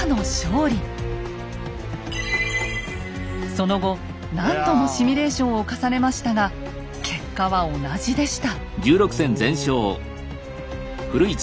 その後何度もシミュレーションを重ねましたが結果は同じでした。